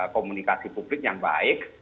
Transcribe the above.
komunikasi publik yang baik